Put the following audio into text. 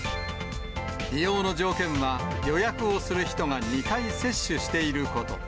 利用の条件は、予約をする人が２回接種していること。